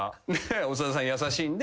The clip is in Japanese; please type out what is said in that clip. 長田さん優しいんで。